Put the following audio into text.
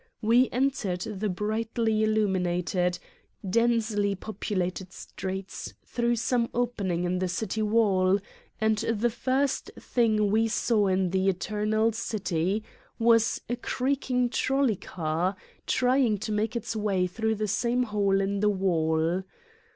We entered the brightly illuminated, densely populated streets through some opening, in the city wall and the first thing we saw in the Eternal City was a creaking trolley car, trying to make its way through the same hole in the wall.